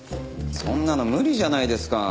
そんなの無理じゃないですか。